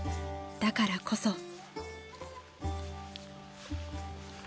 ［だからこそ］